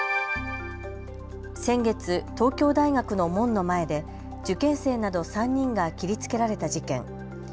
先月、東京大学の門の前で受験生など３人が切りつけられた事件。